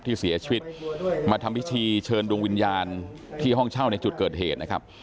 ที่เสียชีวิตมาทำพิธีเชิญดวงวิญญาณที่ห้องเช่าในจุดเกิดเหตุนะครับ